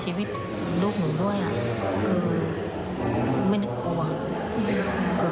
ชีวิตลูกหนูด้วยอ่ะคือไม่นึกกลัว